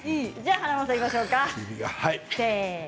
華丸さん、いきましょう。